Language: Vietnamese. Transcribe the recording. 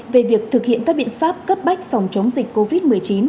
về việc thực hiện các biện pháp cấp bách phòng chống dịch covid một mươi chín